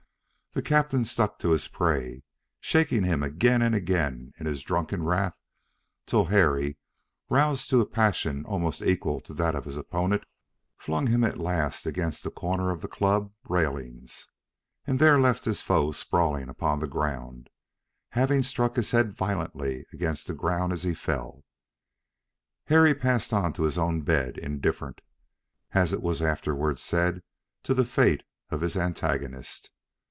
The captain stuck to his prey, shaking him again and again in his drunken wrath, till Harry, roused to a passion almost equal to that of his opponent, flung him at last against the corner of the club railings, and there left his foe sprawling upon the ground, having struck his head violently against the ground as he fell. Harry passed on to his own bed, indifferent, as it was afterwards said, to the fate of his antagonist.